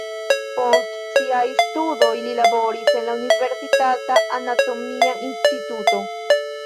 Post siaj studoj li laboris en la universitata anatomia instituto.